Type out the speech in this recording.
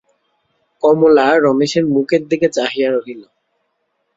কমলা রমেশের মুখের দিকে চাহিয়া রহিল।